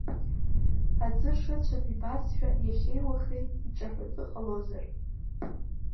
Аӡы шыцәаз ибазшәа иахьеи-уахеи иҿаҳәатәы ҟалозар.